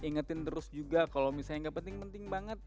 ingatin terus juga kalau misalnya enggak penting penting banget